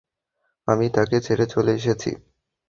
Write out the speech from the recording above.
আমি তাকে ছেড়ে চলে এসেছি।